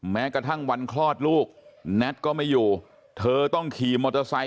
แม้กระทั่งวันคลอดลูกแน็ตก็ไม่อยู่เธอต้องขี่มอเตอร์ไซค